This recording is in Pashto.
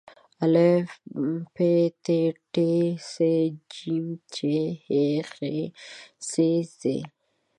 ا ب پ ت ټ ث ج چ ح خ څ ځ